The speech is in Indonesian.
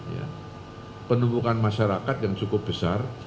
ya penumpukan masyarakat yang cukup besar